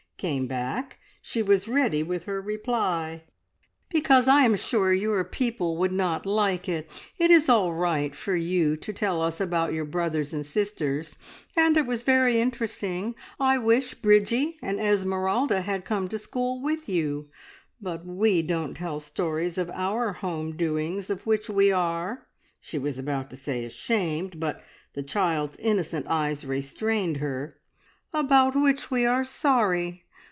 came back, she was ready with her reply. "Because I am sure your people would not like it. It is all right for you to tell us about your brothers and sisters, and it was very interesting. I wish Bridgie and Esmeralda had come to school with you; but we don't tell stories of our home doings of which we are," she was about to say "ashamed," but the child's innocent eyes restrained her "about which we are sorry!